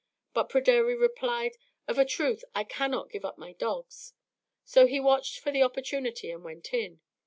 But Pryderi replied, "Of a truth I cannot give up my dogs." So he watched for the opportunity and went in.